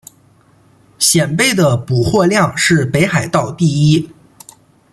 蚬贝的补获量是北海道第一。